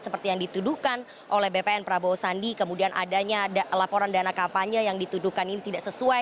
seperti yang dituduhkan oleh bpn prabowo sandi kemudian adanya laporan dana kampanye yang dituduhkan ini tidak sesuai